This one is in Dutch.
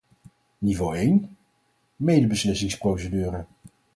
Niveau één, medebeslissingsprocedure.